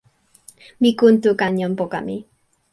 mi kuntu kan jan poka mi.